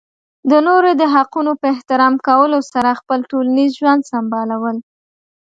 د نورو د حقونو په احترام کولو سره خپل ټولنیز ژوند سمبالول.